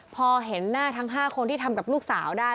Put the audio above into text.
พอเห็นหน้าทั้ง๕คนที่ทำกับลูกสาวได้